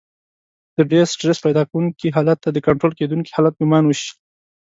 د ډېر سټرس پيدا کوونکي حالت ته د کنټرول کېدونکي حالت ګمان وشي.